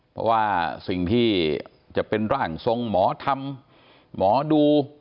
เพราะว่าสิ่งที่จะเป็นร่างทรงหมอธรรมหมอดู